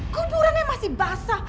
kuburannya masih basah